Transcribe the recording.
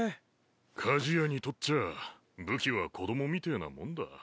鍛冶屋にとっちゃ武器は子どもみてぇなもんだ。